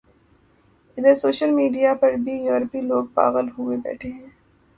ادھر social media پر بھی ، یورپی لوگ پاغل ہوئے بیٹھے ہیں ۔